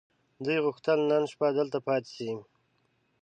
دوی غوښتل نن شپه دلته پاتې شي.